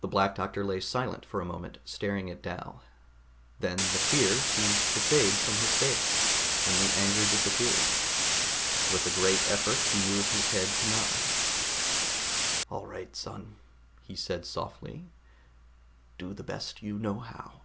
The Black Doctor lay silent for a moment, staring at Dal. Then the fear seemed to fade from his face, and the anger disappeared. With a great effort he moved his head to nod. "All right, son," he said softly. "Do the best you know how."